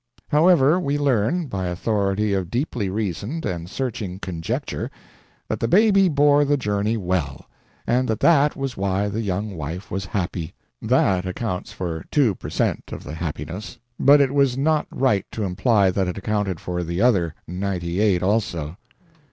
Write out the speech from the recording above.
However, we learn by authority of deeply reasoned and searching conjecture that the baby bore the journey well, and that that was why the young wife was happy. That accounts for two per cent. of the happiness, but it was not right to imply that it accounted for the other ninety eight also.